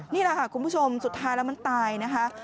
นี่แหละค่ะคุณผู้ชมสุดท้ายแล้วมันตายนะคะ